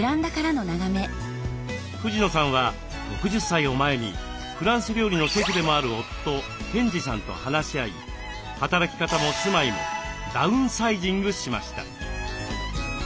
藤野さんは６０歳を前にフランス料理のシェフでもある夫賢治さんと話し合い働き方も住まいもダウンサイジングしました。